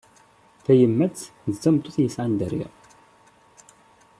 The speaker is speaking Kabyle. Tayemmat d tameṭṭut yesɛan dderya.